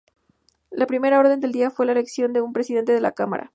La primera orden del día fue la elección de un presidente de la Cámara.